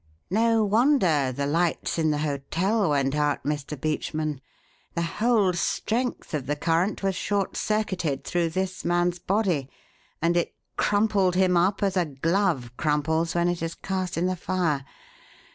"No wonder the lights in the hotel went out, Mr. Beachman. The whole strength of the current was short circuited through this man's body, and it crumpled him up as a glove crumples when it is cast in the fire.